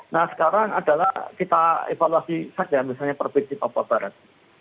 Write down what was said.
nah sekarang adalah kita evaluasi saja misalnya provinsi papua barat